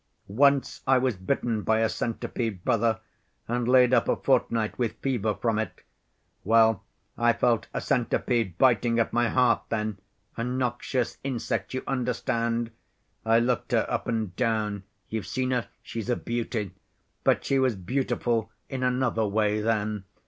Once I was bitten by a centipede, brother, and laid up a fortnight with fever from it. Well, I felt a centipede biting at my heart then—a noxious insect, you understand? I looked her up and down. You've seen her? She's a beauty. But she was beautiful in another way then.